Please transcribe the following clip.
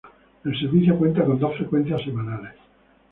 El servicio cuenta con dos frecuencias semanales.